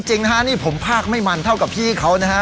จริงนะฮะนี่ผมภาคไม่มันเท่ากับพี่เขานะฮะ